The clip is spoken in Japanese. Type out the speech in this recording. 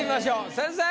先生！